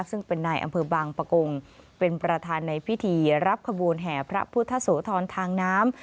ซึ่งเป็นนายอำเภอบางปะกงเป็นประธานในพิธีรับขบวนแห่พระพุทธโสธรทางน้ำ